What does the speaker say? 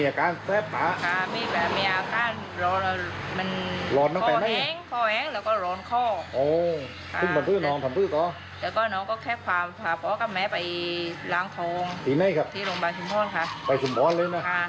อย่างพี่เราก็แค่ความภาพงษ์ก็แม้ไปล้างท้องทียังไงครับไปสู่ป่อนเลยน่ะ